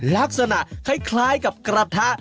ลักษณะคล้ายกับกระทะ